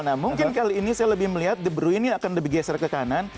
nah mungkin kali ini saya lebih melihat the brue ini akan lebih geser ke kanan